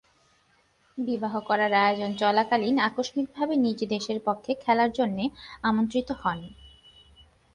বিবাহ করার আয়োজন চলাকালীন আকস্মিকভাবে নিজ দেশের পক্ষে খেলার জন্যে আমন্ত্রিত হন।